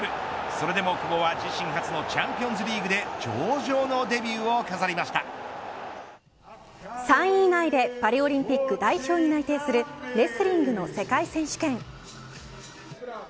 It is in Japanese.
それでも久保は自身初のチャンピオンズリーグで３位以内でパリオリンピック代表に内定するレスリングの世界選手権。